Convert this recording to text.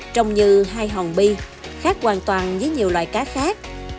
trông như hai hòn bi khác hoàn toàn với nhiều loại cá khác